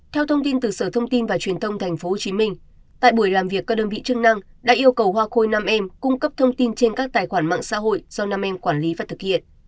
theo thông tin từ sở thông tin và truyền thông tp hcm tại buổi làm việc các đơn vị chức năng đã yêu cầu hoa khôi nam em cung cấp thông tin trên các tài khoản mạng xã hội do nam em quản lý và thực hiện